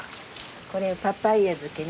これパパイヤ漬けね。